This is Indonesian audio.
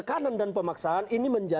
jangan melihat itu